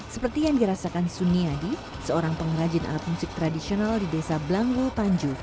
seperti yang dirasakan suni adi seorang pengrajin alat musik tradisional di desa blangul panju